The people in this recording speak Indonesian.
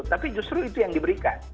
tapi justru itu yang diberikan